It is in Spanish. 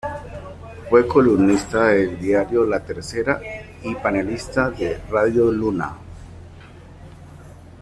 Fue columnista de Diario La Tercera y panelista de Radio Duna.